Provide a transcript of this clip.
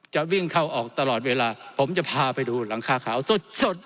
จะวิ่งเข้าออกตลอดเวลาผมจะพาไปดูหลังคาขาวสด